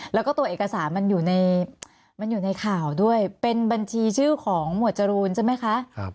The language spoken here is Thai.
แล้วก็ตัวเอกสารมันอยู่ในข่าวด้วยเป็นบัญชีชื่อของหมวดจรูนใช่ไหมคะ